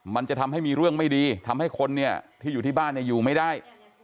มันจะทำให้มีเรื่องไม่ดีทำให้คนเนี่ยที่อยู่ที่บ้านเนี่ยอยู่ไม่ได้